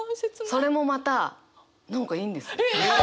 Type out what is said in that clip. それもまた何かいいんですよ。